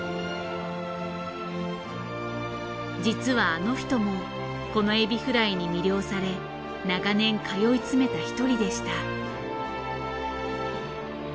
実はあの人もこの海老フライに魅了され長年通い詰めた１人でした。